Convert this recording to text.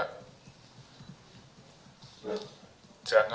dan kami mohon kepada seluruh masyarakat juga